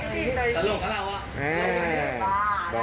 ตลกแล้วอ่ะ